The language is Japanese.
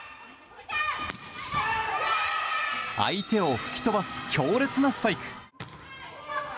相手を吹き飛ばす強烈なスパイク。